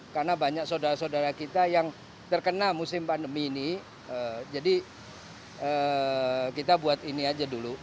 karena banyak saudara saudara kita yang terkena musim pandemi ini jadi kita buat ini aja dulu